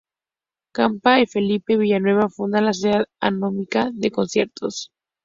Campa y Felipe Villanueva funda la Sociedad Anónima de Conciertos.